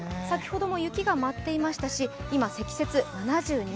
先ほども雪が舞っていましたし今、積雪７２ｃｍ